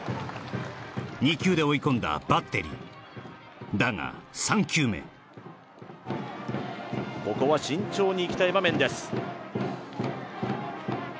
２球で追い込んだバッテリーだが３球目ここは慎重にいきたい場面です